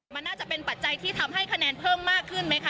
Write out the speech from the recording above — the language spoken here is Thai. มันน่าจะเป็นปัจจัยที่ทำให้คะแนนเพิ่มมากขึ้นไหมคะ